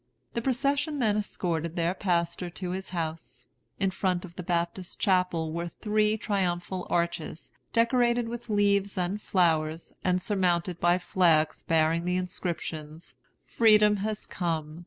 The procession then escorted their pastor to his house. In front of the Baptist Chapel were three triumphal arches, decorated with leaves and flowers, and surmounted by flags bearing the inscriptions, 'Freedom has come!'